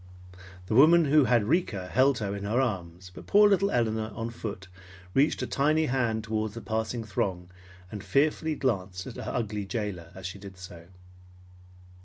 The woman who had Rika held her in her arms, but poor little Elinor, on foot, reached a tiny hand toward the passing throng, and fearfully glanced at her ugly jailer as she did so.